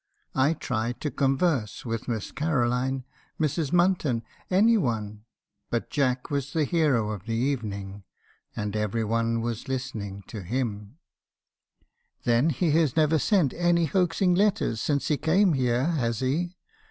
It tried to converse with Miss RfE. nARKISO^S CONFESSIONS. 271 Caroline — Mrs. Munton — any one ; but Jack was the hero of the evening, and every one was listening to him. "'Then he has never sent any hoaxing letters since he came here , has he?